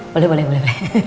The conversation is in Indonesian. boleh boleh boleh